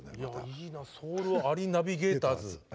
いいなソウルアリナビゲーターズ。